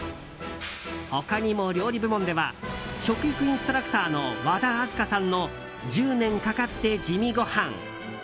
他にも料理部門では食育インストラクターの和田明日香さんの「１０年かかって地味ごはん。」